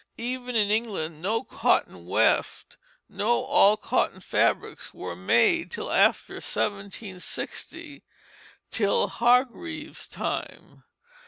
Even in England no cotton weft, no all cotton fabrics, were made till after 1760, till Hargreave's time.